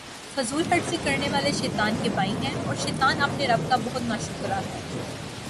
فضول خرچی کرنے والے شیطان کے بھائی ہیں، اور شیطان اپنے رب کا بہت ناشکرا ہے